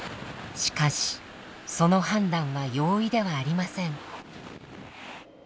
しかしその判断は容易ではありません。